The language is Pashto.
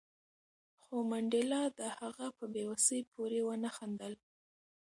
خو منډېلا د هغه په بې وسۍ پورې ونه خندل.